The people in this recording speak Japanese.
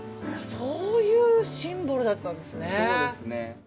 そういうシンボルだったんですね。